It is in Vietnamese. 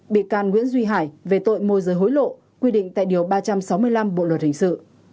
bị can nguyễn duy hải về tội môi giới hối lộ quy định tại điều ba trăm sáu mươi năm bộ luật hình sự